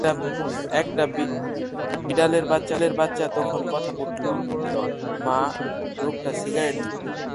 একটা বিড়ালের বাচ্চা তখন কথা বলে উঠল, মা, লোকটা সিগারেট ধরিয়েছে।